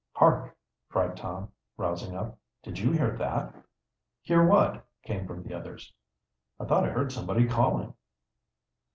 "Hark!" cried Tom, rousing up. "Did you hear that?" "Hear what?" came from the others. "I thought I heard somebody calling."